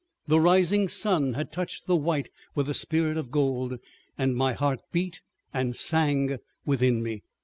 The rising sun had touched the white with a spirit of gold, and my heart beat and sang within me.